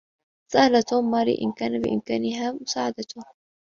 سأل توم ماري إن كان بإمكانها مساعدته.